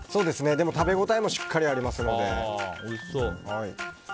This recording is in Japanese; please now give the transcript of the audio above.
でも食べ応えもしっかりありますので。